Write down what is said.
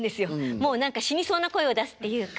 もう何か死にそうな声を出すっていうか。